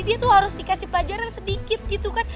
dia tuh harus dikasih pelajaran sedikit gitu kan